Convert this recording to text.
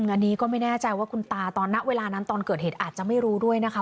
อันนี้ก็ไม่แน่ใจว่าคุณตาตอนณเวลานั้นตอนเกิดเหตุอาจจะไม่รู้ด้วยนะคะ